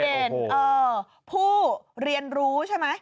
ผู้เรียนรู้ใช่ไหม